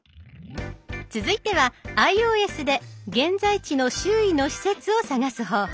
続いてはｉＯＳで現在地の周囲の施設を探す方法。